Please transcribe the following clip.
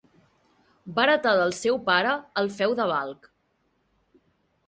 Va heretar del seu pare el feu de Balkh.